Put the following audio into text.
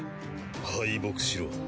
敗北しろ。